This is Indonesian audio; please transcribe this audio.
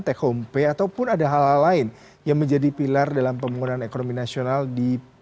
take home pay ataupun ada hal hal lain yang menjadi pilar dalam pembangunan ekonomi nasional di